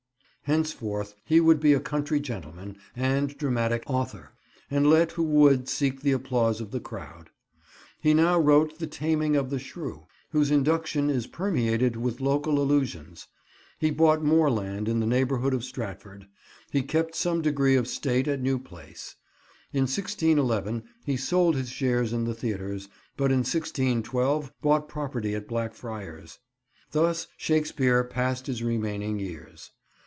Henceforth he would be a country gentleman and dramatic author, and let who would seek the applause of the crowd. He now wrote the Taming of the Shrew, whose induction is permeated with local allusions; he bought more land in the neighbourhood of Stratford; he kept some degree of state at New Place. In 1611 he sold his shares in the theatres, but in 1612 bought property at Blackfriars. Thus Shakespeare passed his remaining years.